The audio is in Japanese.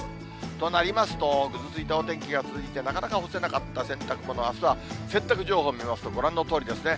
となりますと、ぐずついたお天気が続いて、なかなか干せなかった洗濯物、あすは洗濯情報を見ますと、ご覧のとおりですね。